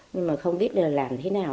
nhưng mà không biết làm thế nào